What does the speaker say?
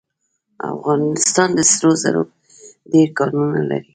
افغانستان د سرو زرو ډیر کانونه لري.